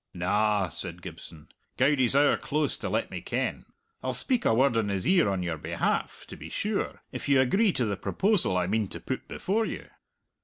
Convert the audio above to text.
"Na," said Gibson. "Goudie's owre close to let me ken. I'll speak a word in his ear on your behalf, to be sure, if you agree to the proposal I mean to put before you.